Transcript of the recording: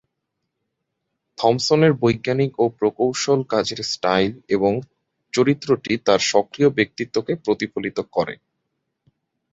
থমসনের বৈজ্ঞানিক এবং প্রকৌশল কাজের স্টাইল এবং চরিত্রটি তার সক্রিয় ব্যক্তিত্বকে প্রতিফলিত করে।